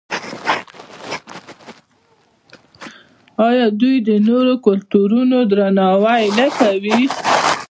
آیا دوی د نورو کلتورونو درناوی نه کوي؟